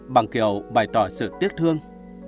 bằng kiểu bày tỏ sự tiếc thương